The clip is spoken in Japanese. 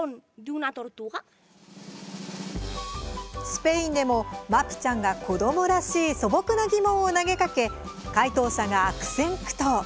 スペインでもＭＡＰＩちゃんが子どもらしい素朴な疑問を投げかけ回答者たちが悪戦苦闘。